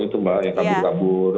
itu mbak yang kabur kabur